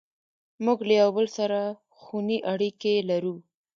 موږ له یو بل سره خوني اړیکې لرو.